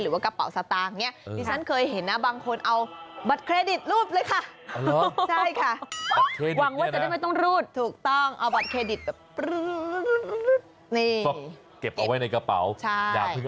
หรือว่ากระเป๋าสตางค์เนี้ย